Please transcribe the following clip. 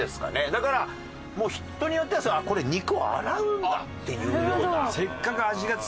だからもう人によってはこれ肉を洗うんだっていうような。